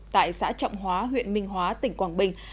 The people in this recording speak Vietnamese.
tại xã trọng hóa huyện minh hóa tỉnh quảng bình